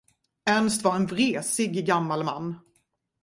Ernst var en vresig gammal man.